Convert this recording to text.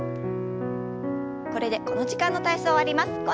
これでこの時間の体操終わります。